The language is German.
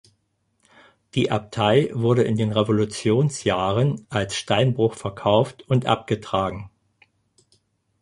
Die Abtei wurde in den Revolutionsjahren als Steinbruch verkauft und abgetragen.